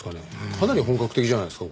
かなり本格的じゃないですか？